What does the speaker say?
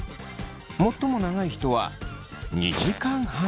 最も長い人は２時間半。